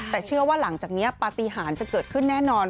แต่เชื่อว่าหลังจากนี้ปฏิหารจะเกิดขึ้นแน่นอน